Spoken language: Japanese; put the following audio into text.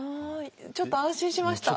ちょっと安心しました。